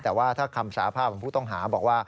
แต่ว่าถ้าคำสาภาพของผู้ต้องหาบอกว่า